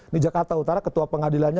di jakarta utara ketua pengadilannya